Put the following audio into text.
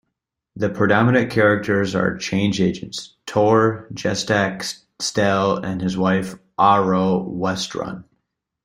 The predominant characters are change agents: Tor, Jestak, Stel and his wife Ahroe Westrun.